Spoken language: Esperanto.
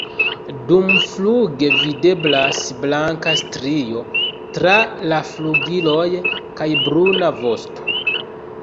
Dumfluge videblas blanka strio tra la flugiloj kaj bruna vosto.